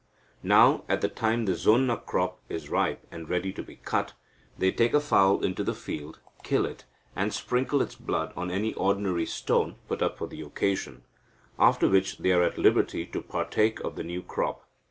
Now, at the time the zonna crop is ripe and ready to be cut, they take a fowl into the field, kill it, and sprinkle its blood on any ordinary stone put up for the occasion, after which they are at liberty to partake of the new crop.